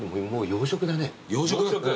洋食？